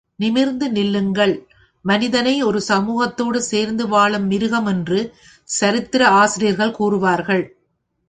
நிமிர்ந்து நில்லுங்கள் மனிதனை ஒரு சமூகத்தோடு சேர்ந்து வாழும் மிருகம் என்று சரித்திர ஆசிரியர்கள் கூறுவார்கள்.